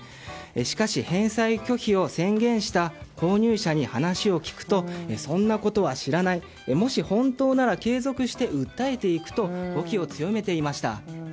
しかし返済拒否を宣言した購入者に話を聞くとそんなことは知らないもし本当なら継続して訴えていくと語気を強めていました。